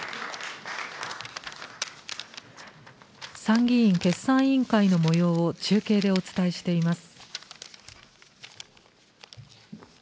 参議院決算委員会のもようを、中継でお伝えしています。